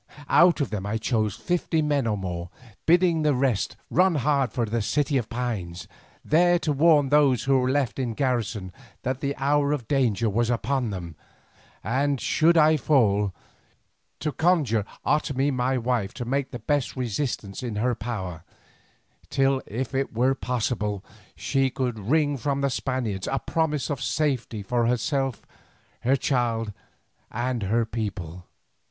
Out of them I chose fifty men or more, bidding the rest run hard for the City of Pines, there to warn those who were left in garrison that the hour of danger was upon them, and, should I fall, to conjure Otomie my wife to make the best resistance in her power, till, if it were possible, she could wring from the Spaniards a promise of safety for herself, her child, and her people.